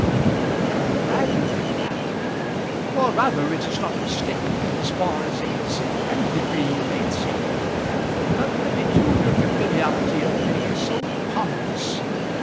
"I am glad you think that." "Or rather, it is not a mistake in as far as it is in any degree made sacred. But the peculiar conviviality of the day is so ponderous!